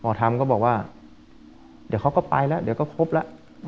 ทำก็บอกว่าเดี๋ยวเขาก็ไปแล้วเดี๋ยวก็ครบแล้ว